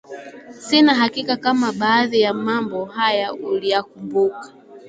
Sina hakika kama baadhi ya mambo haya unayakumbuka